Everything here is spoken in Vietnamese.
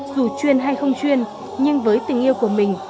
dù chuyên hay không chuyên nhưng với tình yêu của mình